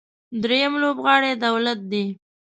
درېیم لوبغاړی دولت دی.